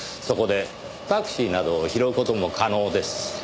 そこでタクシーなどを拾う事も可能です。